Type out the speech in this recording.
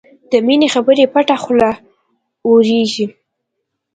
د مینې خبرې پټه خوله اورېږي